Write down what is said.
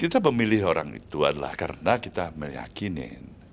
kita memilih orang itu adalah karena kita meyakini